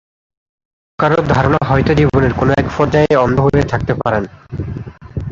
কারো কারো ধারণা হয়তো জীবনের কোন এক পর্যায়ে অন্ধ হয়ে থাকতে পারেন।